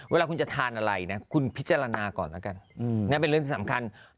เวลาแต่คนเขาก็บอกว่ามันสมราคาแล้ว